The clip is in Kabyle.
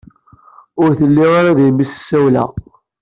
Ur telli ara din mi s-ssawleɣ.